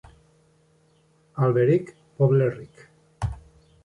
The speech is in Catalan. Alberic, poble ric.